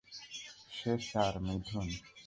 সে sir, Mithun.